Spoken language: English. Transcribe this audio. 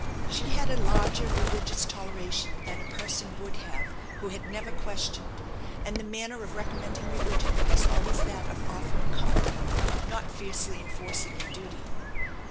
She had a larger religious toleration than a person would have who had never questioned, and the manner of recommending religion was always that of offering comfort, not fiercely enforcing a duty.